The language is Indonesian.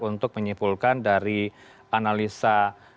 untuk menyimpulkan dari analisa